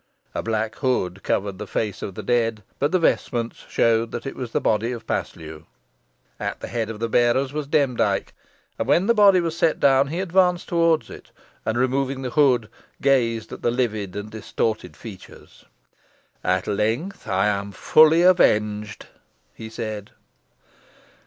A black hood covered the face of the dead, but the vestments showed that it was the body of Paslew. At the head of the bearers was Demdike, and when the body was set down he advanced towards it, and, removing the hood, gazed at the livid and distorted features. "At length I am fully avenged," he said.